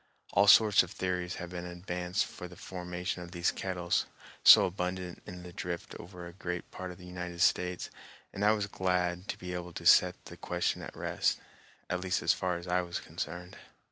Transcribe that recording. All sorts of theories have been advanced for the formation of these kettles, so abundant in the drift over a great part of the United States, and I was glad to be able to set the question at rest, at least as far as I was concerned.